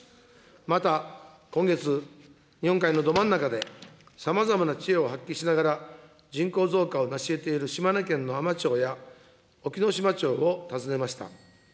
また、今月、日本海のど真ん中でさまざまな知恵を発揮しながら、人口増加をなしえている島根県の海士町や、隠岐の島町を訪ねました。